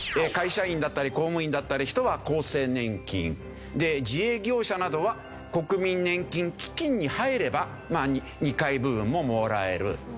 会社員だったり公務員だったり人は厚生年金。で自営業者などは国民年金基金に入れば２階部分ももらえる。